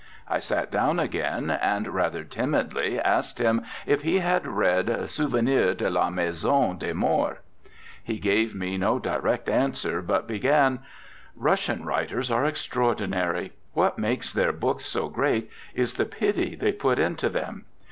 I sat down again, and rather timidly asked him if he had read Souvenirs de la Maison des Morts. He gave me no direct answer, but began: 'Russian writers are extraordinary. What makes their books so great is the pity they put into them.